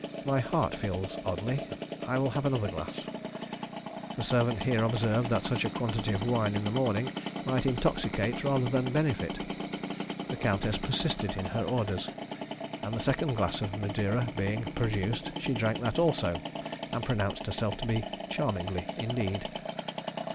My heart feels oddly. I will have another glass." The servant here observed that such a quantity of wine in the morning might intoxicate rather than benefit. The countess persisted in her orders, and the second glass of Madeira being produced, she drank that also, and pronounced herself to be charmingly indeed.